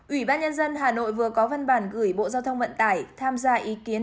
ủy ban nhân dân hà nội vừa có văn bản gửi bộ giao thông vận tải tham gia ý kiến